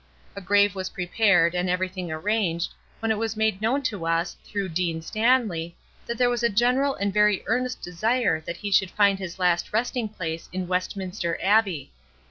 A grave was prepared and everything arranged when it was made known to us, through Dean Stanley, that there was a general and very earnest desire that he should find his last resting place in Westminster Abbey.